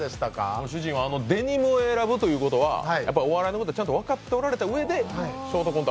ご主人はデニムを選ぶということは、お笑いのことをちゃんと分かっておられたうえでショートコント